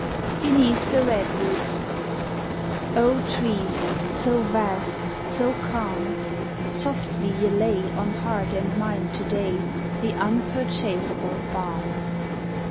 57 BENEATH THE REDWOODS O trees I so vast, so calm I Softly ye lay On heart and mind today The unpurchaseable balm.